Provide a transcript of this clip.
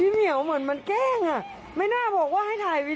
เออพี่ตรงปกแล้วเกือบจะโฉกด้วยวอ้ะ